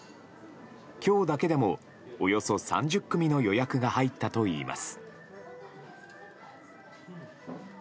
今日だけでもおよそ３０組の予約が入ったといいます。